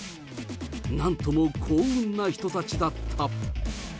なんとも幸運な人たちだった。